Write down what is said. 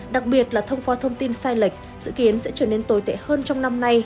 đặc biệt là thông qua thông tin sai lệch dự kiến sẽ trở nên tồi tệ hơn trong năm nay